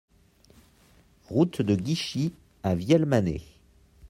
Route de Guichy à Vielmanay